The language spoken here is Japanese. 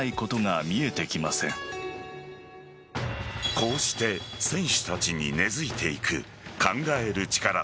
こうして選手たちに根付いていく考える力。